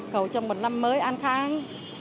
cầu cho một năm mới an khang